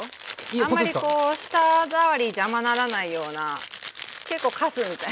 あんまり舌触り邪魔にならないような結構かすみたいな。